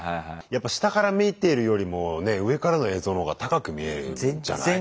やっぱ下から見てるよりもね上からの映像の方が高く見えるんじゃない？